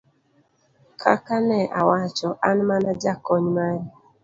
ka ka ne awacho, an mana jakony mari